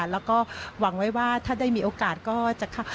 แล้วก็หวังไว้ว่าถ้าได้มีโอกาสก็จะเข้า